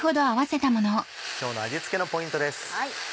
今日の味付けのポイントです。